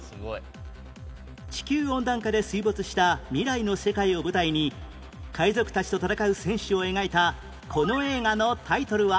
地球温暖化で水没した未来の世界を舞台に海賊たちと戦う戦士を描いたこの映画のタイトルは？